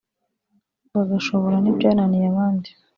bagashobora n’ibyananiye abandi